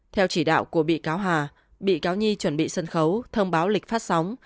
theo chỉ đạo của bị cáo hà bị cáo nhi chuẩn bị sân khấu thông báo lịch phát sóng